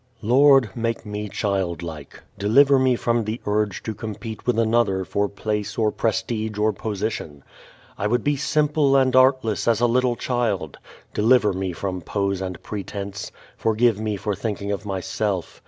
_Lord, make me childlike. Deliver me from the urge to compete with another for place or prestige or position. I would be simple and artless as a little child. Deliver me from pose and pretense. Forgive me for thinking of myself.